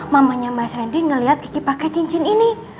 mamanya mas rendy ngeliat gigi pake cincin ini